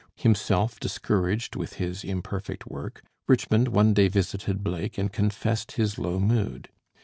Himself discouraged with his imperfect work, Richmond one day visited Blake and confessed his low mood.